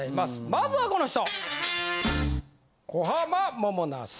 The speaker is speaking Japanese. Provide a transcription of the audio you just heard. まずはこの人！